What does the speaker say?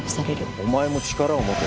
お前も力を持て。